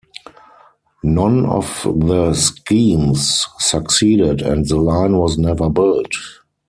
None of the schemes succeeded and the line was never built.